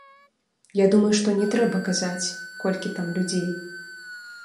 Я думаю, што не трэба казаць, колькі там людзей.